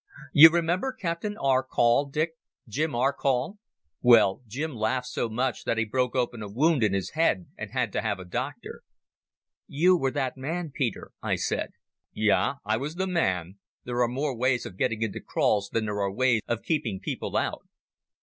You remember Captain Arcoll, Dick—Jim Arcoll? Well, Jim laughed so much that he broke open a wound in his head, and had to have a doctor." "You were that man, Peter," I said. "Ja. I was the man. There are more ways of getting into kraals than there are ways of keeping people out."